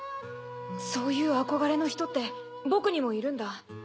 そういう憧れの人って僕にもいるんだ。